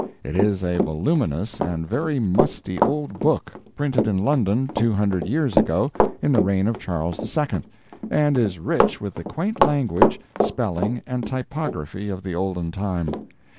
It is a voluminous and very musty old book, printed in London two hundred years ago, in the reign of Charles II., and is rich with the quaint language, spelling, and typography of the olden time.